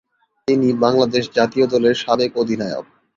তিনি বাংলাদেশ জাতীয় দলের সাবেক অধিনায়ক।